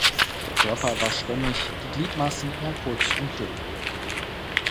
Der Körper war stämmig, die Gliedmaßen eher kurz und dünn.